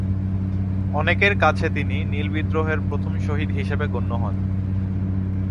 অনেকের কাছে তিনি নীল বিদ্রোহের প্রথম শহীদ হিসেবে গণ্য হন।